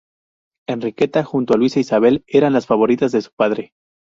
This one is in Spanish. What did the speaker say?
Enriqueta, junto a Luisa Isabel eran las favoritas de su padre.